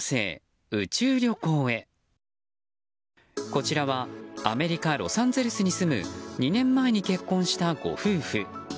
こちらはアメリカ・ロサンゼルスに住む２年前に結婚したご夫婦。